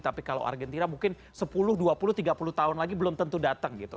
tapi kalau argentina mungkin sepuluh dua puluh tiga puluh tahun lagi belum tentu datang gitu